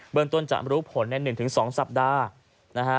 เบิร์นต้นจะรู้ผลใน๑๒สัปดาห์